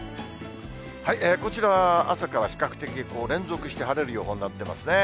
こちらは朝から比較的、連続して晴れる予報になってますね。